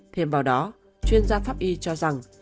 thêm vào đó chuyên gia pháp y cho rằng